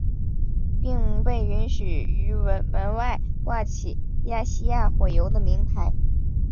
并被允许于门外挂起亚细亚火油的铭牌。